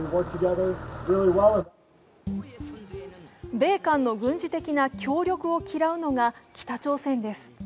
米韓の軍事的な協力を嫌うのが北朝鮮です。